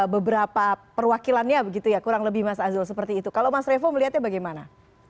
beberapa perwakilannya begitu ya kurang lebih mas azul seperti itu kalau mas revo melihatnya bagaimana